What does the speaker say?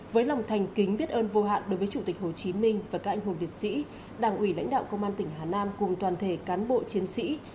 với lòng thành kính biết ơn vô hạn đối với chủ tịch hồ chí minh và các anh hùng liệt sĩ đảng ủy lãnh đạo công an tỉnh hà nam cùng toàn thể cán bộ chiến sĩ